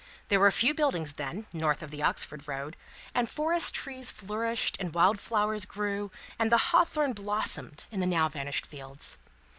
There were few buildings then, north of the Oxford road, and forest trees flourished, and wild flowers grew, and the hawthorn blossomed, in the now vanished fields.